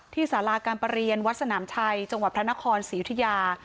สาราการประเรียนวัดสนามชัยจังหวัดพระนครศรียุธิยา